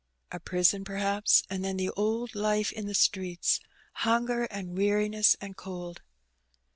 A prison, perhaps, and then the old life in the streets — ^hunger and weariness and cold.